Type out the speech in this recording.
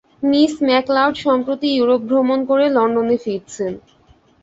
Miss McLeod সম্প্রতি Europe ভ্রমণ করে লণ্ডনে ফিরেছেন।